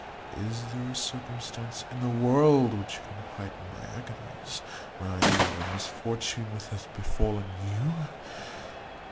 Is there a circumstance in the world which can heighten my agonies, when I hear of any misfortune which hath befallen you?